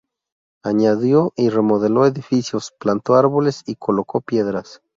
Añadió y remodeló edificios, plantó árboles y colocó piedras.